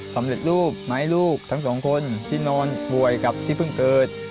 สำเร็จรูปมาให้ลูกทั้งสองคนที่นอนป่วยกับที่เพิ่งเกิด